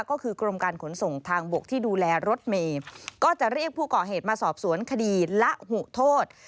ก็คือกรมการขนส่งทางบกที่ดูแลรถเมย์ก็จะเรียกผู้ก่อเหตุมาสอบสวนคดีละหุโทษ